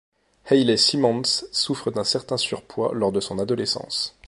Hayley Simmonds souffre d'un certain surpoids lors de son adolescence.